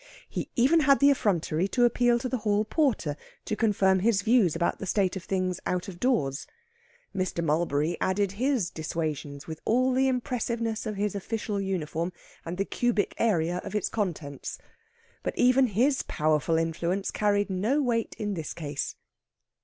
He even had the effrontery to appeal to the hall porter to confirm his views about the state of things out of doors. Mr. Mulberry added his dissuasions with all the impressiveness of his official uniform and the cubic area of its contents. But even his powerful influence carried no weight in this case.